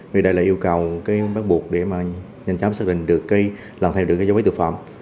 vì đây là yêu cầu bắt buộc để mà nhanh chóng xác định được cái lần thay đổi được cái dấu vết thực phẩm